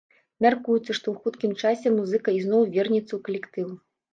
Мяркуецца, што ў хуткім часе музыка ізноў вернецца ў калектыў.